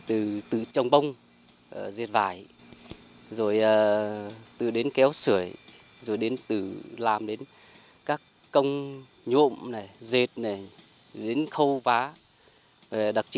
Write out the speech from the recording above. thì về cái vật chất là từ trồng bông dệt vải rồi từ đến kéo sửa rồi đến từ làm đến các công nhộm này dệt này đến khâu vá